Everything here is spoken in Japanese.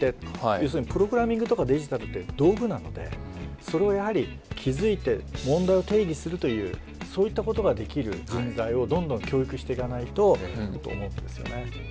要するにプログラミングとかデジタルって道具なのでそれをやはり気付いて問題を定義するというそういったことができる人材をどんどん教育していかないとと思うんですよね。